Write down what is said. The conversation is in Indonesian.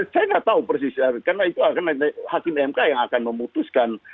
saya nggak tahu persisnya karena itu akan hakim mk yang akan memutuskan